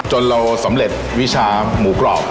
จนเราสำเร็จวิชาหมูกรอบ